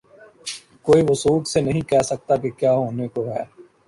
کوئی وثوق سے نہیں کہہ سکتا کہ کیا ہونے کو ہے۔